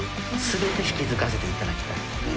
全て引き継がせていただきたい。